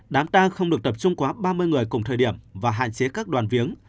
đám tang không được tập trung quá ba mươi người cùng thời điểm và hạn chế các đoàn viếng